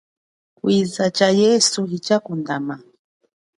Kwiza tsha yesu hitshakundama.